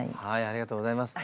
ありがとうございます。